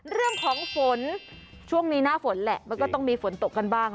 เรื่องของฝนช่วงนี้หน้าฝนแหละมันก็ต้องมีฝนตกกันบ้าง